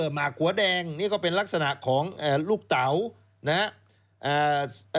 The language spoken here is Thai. หมากหัวแดงนี่ก็เป็นลักษณะของลูกเต๋านะครับ